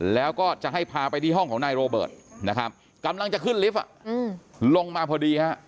แล้วก็จะให้พาไปที่ห้องของนายโรเบิร์ตนะครับกำลังจะขึ้นลิฟต์ลงมาพอดีฮะ